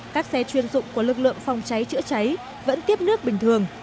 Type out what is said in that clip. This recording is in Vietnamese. các xe chuyên dụng của lực lượng phòng cháy chữa cháy vẫn tiếp nước bình thường